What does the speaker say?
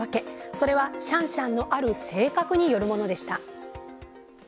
それはシャンシャンのある性格によるものでした。